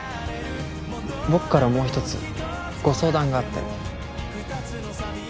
僕からもう一つご相談があって。